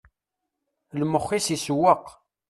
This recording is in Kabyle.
Lmex-is isewweq.